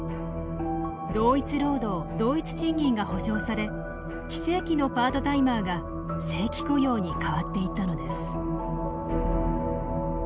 同一労働同一賃金が保証され非正規のパートタイマーが正規雇用に変わっていったのです。